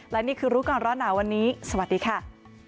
และนี่คือรู้ก่อนร้อนหนาวันนี้สวัสดีค่ะ